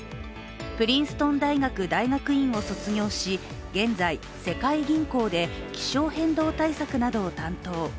プリンストン大学大学院を卒業し現在、世界銀行で気象変動対策などを担当。